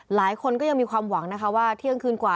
หลายคนก็ยังมีความหวังนะคะว่าเที่ยงคืนกว่า